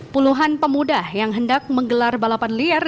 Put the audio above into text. puluhan pemuda yang hendak menggelar balapan liar